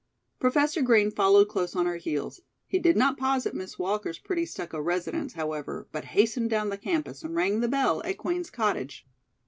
Professor Green followed close on her heels. He did not pause at Miss Walker's pretty stucco residence, however, but hastened down the campus and rang the bell at Queen's Cottage.